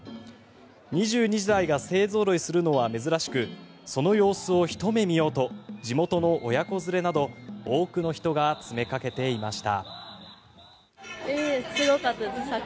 ２２台が勢ぞろいするのは珍しくその様子をひと目見ようと地元の親子連れなど多くの人が詰めかけていました。